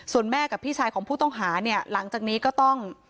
ส่วนแม่กับพี่ชายของผู้ต้องหาเนี่ยหลังจากนี้ก็ต้อง